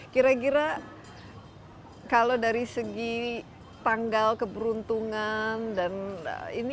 kira kira kalau dari segi tanggal keberuntungan dan ini